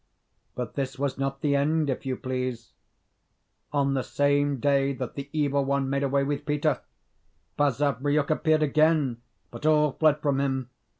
But this was not the end, if you please. On the same day that the Evil One made away with Peter, Basavriuk appeared again; but all fled from him.